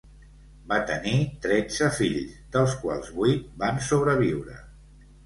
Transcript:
Va tenir tretze fills, dels quals vuit van sobreviure.